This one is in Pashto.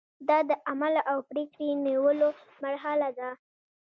دا د عمل او پریکړې نیولو مرحله ده.